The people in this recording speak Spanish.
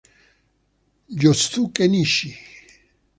Yosuke Nishi